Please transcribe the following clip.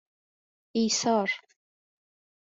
ایثار